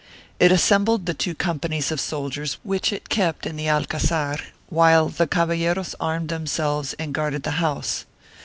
It assembled the two com panies of soldiers which it kept in the alcazar, while the caballeros armed themselves and guarded the house.